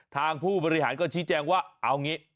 ทางผู้บริหารก็ชี้แจงว่าเอาอย่างนี้